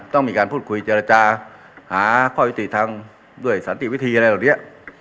ต้องมีการพูดคุยเจรจาหาข้อยุติทางด้วยสันติวิธีอะไรเหล่านี้